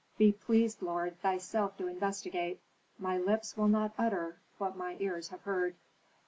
"Be pleased, lord, thyself to investigate. My lips will not utter what my ears have heard."